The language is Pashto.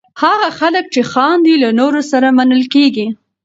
هغه خلک چې خاندي، له نورو سره منل کېږي.